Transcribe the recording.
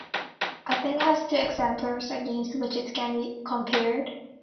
A thing has two exemplars against which it can be compared.